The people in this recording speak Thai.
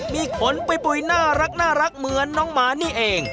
มีขนปุ๋ยน่ารักเหมือนน้องหมานี่เอง